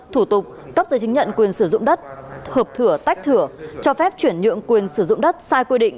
thủ tục cấp giấy chứng nhận quyền sử dụng đất hợp thửa tách thửa cho phép chuyển nhượng quyền sử dụng đất sai quy định